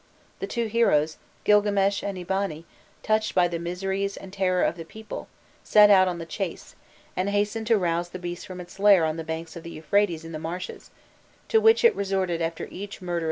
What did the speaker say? The two heroes, Gilgames and Eabani, touched by the miseries and terror of the people, set out on the chase, and hastened to rouse the beast from its lair on the banks of the Euphrates in the marshes, to which it resorted after each murderous onslaught.